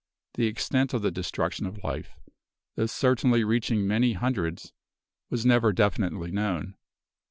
The extent of the destruction of life, though certainly reaching many hundreds, was never definitely known.